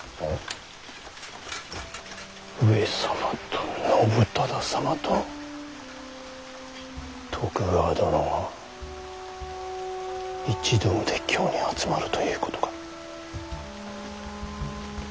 上様と信忠様と徳川殿が一同で京に集まるということか。